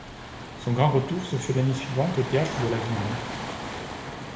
Son grand retour se fait l'année suivante au Théâtre de la Ville.